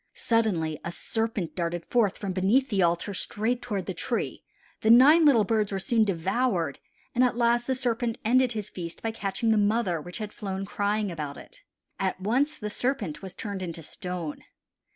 Suddenly a serpent darted forth from beneath the altar straight toward the tree; the nine little birds were soon devoured and at last the serpent ended his feast by catching the mother which had flown crying about it. At once the serpent was turned into stone.